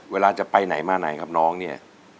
เวลาจะไปไหนมาไหนครับน้องเนี่ย